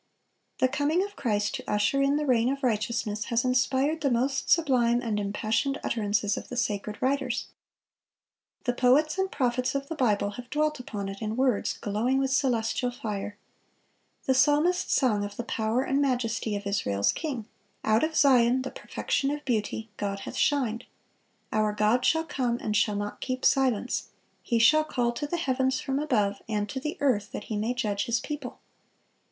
(451) The coming of Christ to usher in the reign of righteousness, has inspired the most sublime and impassioned utterances of the sacred writers. The poets and prophets of the Bible have dwelt upon it in words glowing with celestial fire. The psalmist sung of the power and majesty of Israel's King: "Out of Zion, the perfection of beauty, God hath shined. Our God shall come, and shall not keep silence.... He shall call to the heavens from above, and to the earth, that He may judge His people."